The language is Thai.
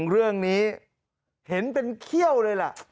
เรื่องนี้เห็นเป็นเขี้ยวเลยล่ะ